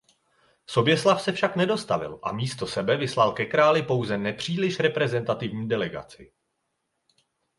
Soběslav se však nedostavil a místo sebe vyslal ke králi pouze nepříliš reprezentativní delegaci.